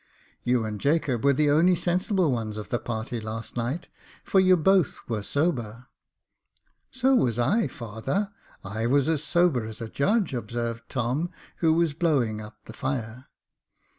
You and Jacob were the only sensible ones of the party last night, for you both were sober." " So was I, father. I was as sober as a judge," ob served Tom, who was blowing up the fire.